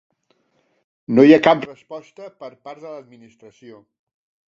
No hi ha cap resposta per part de l'Administració.